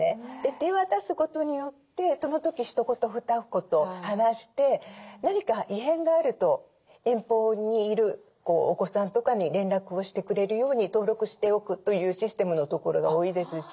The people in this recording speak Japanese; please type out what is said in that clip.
手渡すことによってその時ひと言ふた言話して何か異変があると遠方にいるお子さんとかに連絡をしてくれるように登録しておくというシステムのところが多いですし。